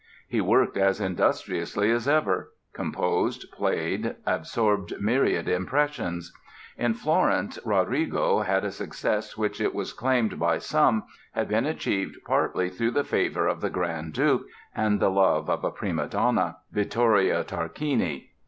He worked as industriously as ever—composed, played, absorbed myriad impressions. In Florence "Roderigo" had a success which it was claimed by some had been achieved partly through the favor of the Grand Duke and the love of a prima donna, Vittoria Tarquini.